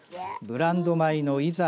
ブランド米のいざ